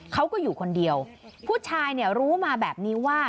เขาก็อยู่คนเดียวผู้ชายเนี่ยรู้มาแบบนี้ว่า